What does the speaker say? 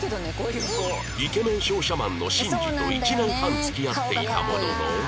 イケメン商社マンの慎二と１年半付き合っていたものの